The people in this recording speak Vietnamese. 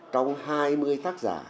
trong hai mươi tác giả